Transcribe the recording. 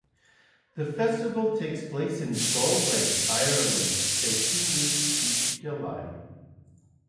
The festival takes place in Galway, Ireland for two weeks each July.